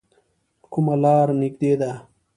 کومه لار نږدې ده؟